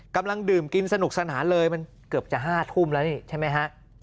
กำลังดื่มกินสนุกสนานเลยมันเกือบจะ๕ทุ่มแล้วนี่ใช่ไหมฮะ